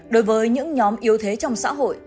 đối với những nhóm yếu thế trong xã hội